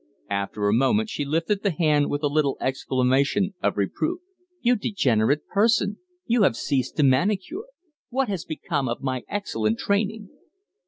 After a moment she lifted the hand with a little exclamation of reproof. "You degenerate person! You have ceased to manicure. What has become of my excellent training?"